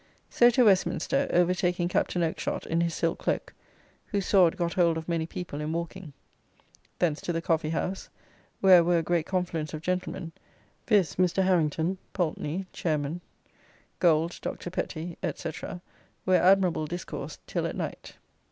So to Westminster, overtaking Captain Okeshott in his silk cloak, whose sword got hold of many people in walking. Thence to the Coffee house, where were a great confluence of gentlemen; viz. Mr. Harrington, Poultny, chairman, Gold, Dr. Petty; &c., where admirable discourse till at night.